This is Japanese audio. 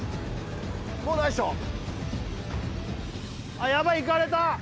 あっやばいいかれた！